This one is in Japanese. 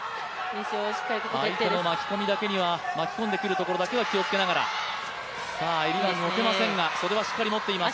相手の巻き込んでくるところだけは気をつけながら、襟が持てませんが、袖はしっかり持っています。